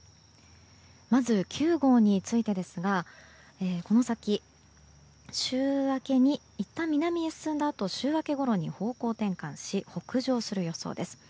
まず、９号についてですがこの先、週明けにいったん、南ヘ進んだあとに週明けごろに方向転換し北上する予想です。